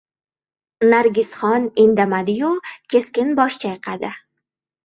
Nargisxon indamadi-yu, keskin bosh chayqadi.